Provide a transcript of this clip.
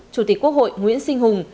chủ tịch quốc hội nguyễn sinh hùng